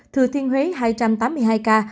thừa thiên huế hai trăm tám mươi hai ca